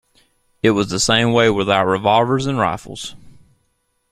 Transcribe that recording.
It was the same way with our revolvers and rifles.